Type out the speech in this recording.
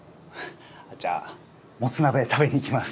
じゃあもつ鍋食べに行きます。